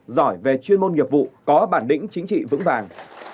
giỏi về chuyên môn nghiệp vụ có bản lĩnh chính trị vững vàng